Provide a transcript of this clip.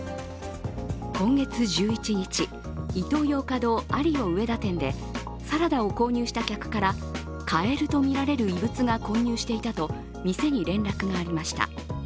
今月１１日、イトーヨーカドーアリオ上田店で、サラダを購入した客からカエルとみられる異物が混入していたと店に連絡がありました。